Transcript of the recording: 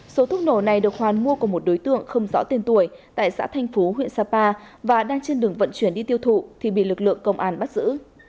số thuốc nổ này được hoàn mua của một đối tượng không rõ tên tuổi tại xã thanh phú huyện sapa và đang trên đường vận chuyển đi tiêu thụ thì bị lực lượng công an bắt giữ